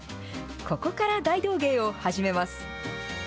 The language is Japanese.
ここから大道芸を始めます。